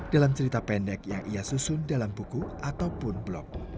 dalam cerita pendek yang ia susun dalam buku ataupun blog